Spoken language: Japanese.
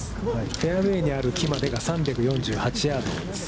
フェアウェイにある木までが３４８ヤードです。